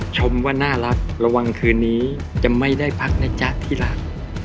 ชมว่าน่ารักระวังคืนนี้จะไม่ได้พักนะจ๊ะที่รัก